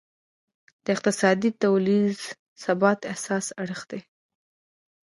د اقتصادي او ټولینز ثبات اساسي اړخ دی.